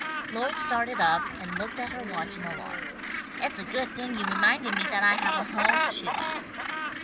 Lloyd started up, and looked at her watch in alarm. "It's a good thing you reminded me that I have a home," she laughed.